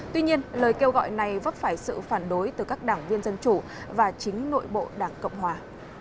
tuy nhiên lời kêu gọi này vấp phải sự phản đối từ các đảng viên dân chủ và chính nội bộ đảng cộng hòa